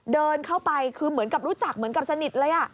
เดินเข้าไปคือเหมือนกับรู้จักเหมือนกับสนิทเลย